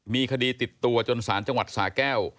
มีคดีติดตัวจนสารจังหวัดสาแก้ว